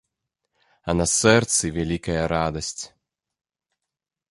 А на сэрцы вялікая радасць.